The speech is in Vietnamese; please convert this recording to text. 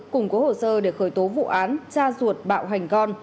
cùng có hồ sơ để khởi tố vụ án cha ruột bạo hành con